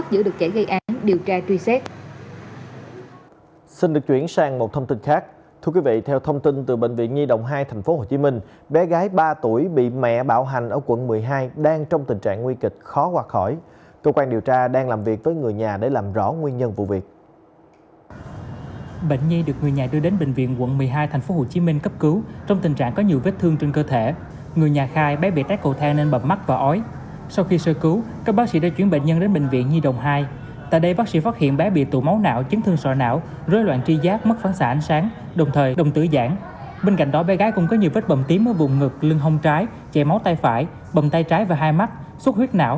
tuy nhiên với tinh thần đáp nhiệm cao đồng chí cũng xin thật thôi để từ từ từ từ tiến nghỉ sau